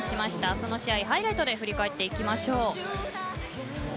その試合をハイライトで振り返っていきましょう。